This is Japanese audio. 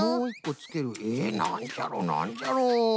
なんじゃろなんじゃろ？